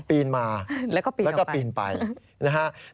ปีนมาแล้วก็ปีนออกไปนะฮะแล้วก็ปีนไป